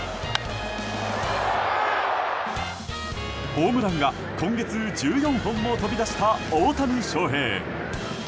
ホームランが、今月１４本も飛び出した大谷翔平。